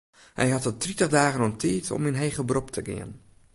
Hy hat it tritich dagen oan tiid om yn heger berop te gean.